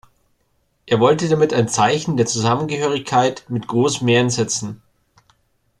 Er wollte damit ein Zeichen der Zusammengehörigkeit mit Großmähren setzen.